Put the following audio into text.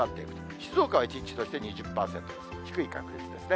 静岡は一日通して２０％、低い確率ですね。